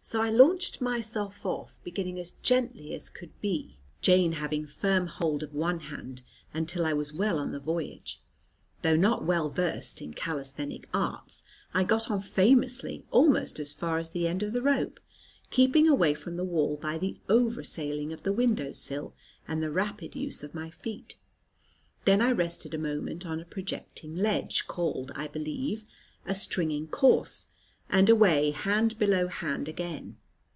So I launched myself off, beginning as gently as could be, Jane having firm hold of one hand, until I was well on the voyage. Though not well versed in calisthenic arts, I got on famously almost as far as the end of the rope, keeping away from the wall by the over saling of the window sill, and the rapid use of my feet. Then I rested a moment on a projecting ledge called, I believe, a "stringing course" and away hand below hand again.